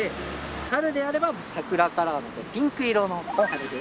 春であれば桜カラーのピンク色のあれで。